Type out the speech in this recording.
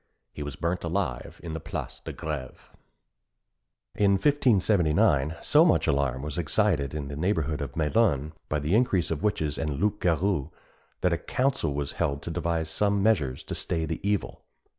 He was burnt alive in the Place de Grève. In 1579, so much alarm was excited in the neighbourhood of Melun by the increase of witches and loup garous, that a council was held to devise some measures to stay the evil.